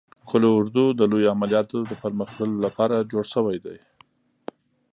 قول اردو د لوی عملیاتو د پرمخ وړلو لپاره جوړ شوی دی.